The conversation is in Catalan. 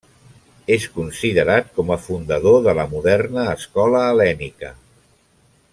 És considerat com a fundador de la moderna escola hel·lènica.